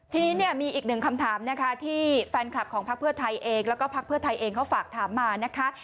ทีนี้เนี่ยมีอีกหนึ่งคำถามนะคะที่แฟนคลับของพักเพื่อไทยเองแล้วก็พักเพื่อไทยเองเขาฝากถามมานะคะ